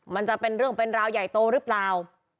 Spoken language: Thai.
มันจะเป็นเรื่องเป็นราวใหญ่โตหรือเปล่า